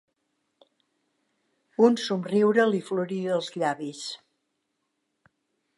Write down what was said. Un somriure li florí dels llavis.